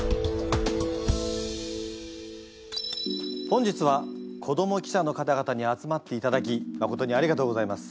本日は子ども記者の方々に集まっていただきまことにありがとうございます。